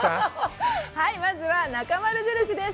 まずはなかまる印です。